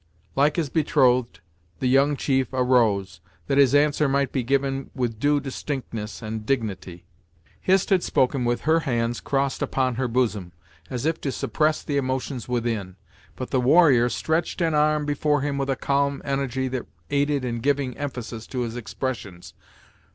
Like his betrothed, the young chief arose, that his answer might be given with due distinctness and dignity. Hist had spoken with her hands crossed upon her bosom, as if to suppress the emotions within, but the warrior stretched an arm before him with a calm energy that aided in giving emphasis to his expressions.